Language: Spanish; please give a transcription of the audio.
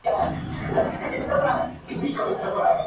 Pero no había nada que pudiera hacer al respecto".